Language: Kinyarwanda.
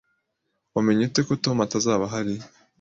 Wamenye ute ko Tom atazaba ahari?